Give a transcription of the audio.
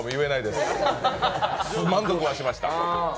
満足はしました。